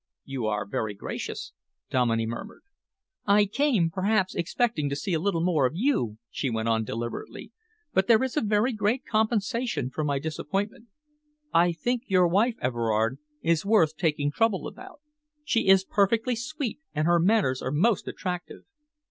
"You are very gracious," Dominey murmured. "I came, perhaps, expecting to see a little more of you," she went on deliberately, "but there is a very great compensation for my disappointment. I think your wife, Everard, is worth taking trouble about. She is perfectly sweet, and her manners are most attractive."